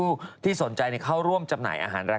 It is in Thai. สนุนโดยดีที่สุดคือการให้ไม่สิ้นสุด